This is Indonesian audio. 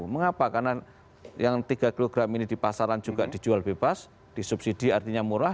mengapa karena yang tiga kg ini di pasaran juga dijual bebas disubsidi artinya murah